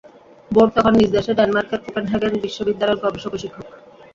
Bore তখন নিজ দেশ ডেনমার্কের কোপেনহেগেন বিশ্ববিদ্যালয়ের গবেষক ও শিক্ষক।